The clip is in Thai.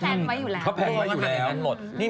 เขาแพนอยู่แล้ว